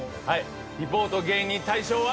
リポート芸人大賞は。